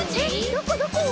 どこどこ？